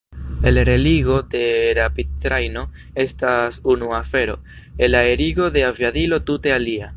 Elreligo de rapidtrajno estas unu afero; elaerigo de aviadilo tute alia.